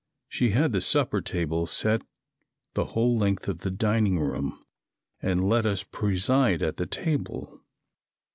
She had the supper table set the whole length of the dining room and let us preside at the table.